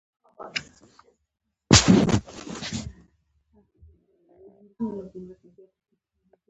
که کتل یې چي مېړه یې یک تنها دی